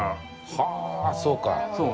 はあーそうか。